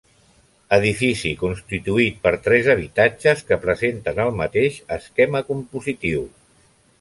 Edifici constituït per tres habitatges que presenten el mateix esquema compositiu.